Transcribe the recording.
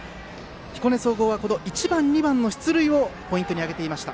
彦根総合は１番、２番の出塁をポイントに挙げていました。